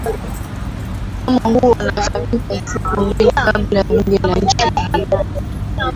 mgomo huo unafanyika siku mbili kabla ya bunge la nchi hiyo